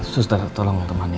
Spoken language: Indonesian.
suster tolong temani